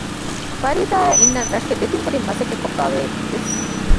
ފަރީދާއާ އިންނަން ރަށުގެ ދެތިން ކުދިން މަސައްކަތް ކޮށްފައިވޭ ވެސް